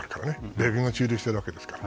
米軍が駐留しているわけですから。